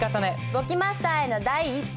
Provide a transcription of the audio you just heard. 簿記マスターへの第一歩。